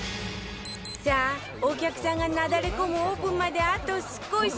さあお客さんがなだれ込むオープンまであと少し